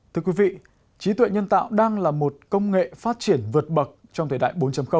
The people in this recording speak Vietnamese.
thưa quý vị trí tuệ nhân tạo đang là một công nghệ phát triển vượt bậc trong thời đại bốn